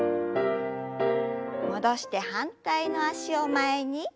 戻して反対の脚を前に。